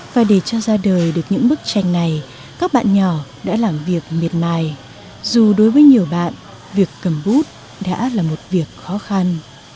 và để cho ra đời được những bức tranh này các bạn nhỏ đã làm việc miệt mài dù đối với nhiều bạn việc cầm bút đã là một việc khó khăn